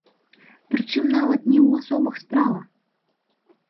Прычым нават не ў асобах справа.